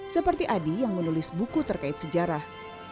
seperti adi yang menulis buku terkait sejarah